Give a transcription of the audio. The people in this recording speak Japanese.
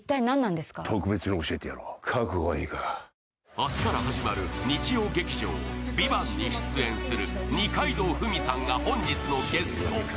明日から始まる日曜劇場「ＶＩＶＡＮＴ」に出演する二階堂ふみさんが本日のゲスト。